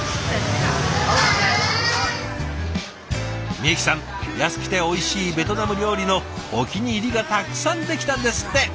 みゆきさん安くておいしいベトナム料理のお気に入りがたくさんできたんですって！